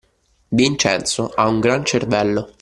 Vincenzo ha un gran cervello.